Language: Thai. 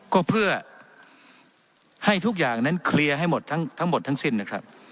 ก็เพื่อให้ทุกอย่างนั้นเคลียร์ให้หมดทั้งหมดทั้งสิ้นนะครับ